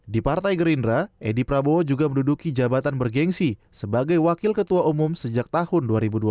di partai gerindra edi prabowo juga menduduki jabatan bergensi sebagai wakil ketua umum sejak tahun dua ribu dua belas